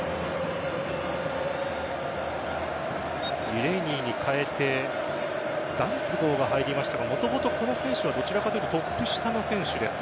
ディレイニーに代えてダムスゴーが入りましたがもともとこの選手はどちらかというとトップ下の選手です。